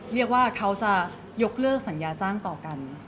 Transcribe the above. เรียกว่าเขาจะยกเลิกสัญญาจ้างต่อกัน